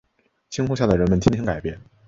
星空下的人们天天改变